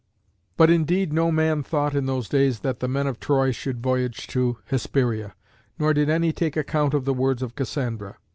But, indeed, no man thought in those days that the men of Troy should voyage to Hesperia, nor did any take account of the words of Cassandra.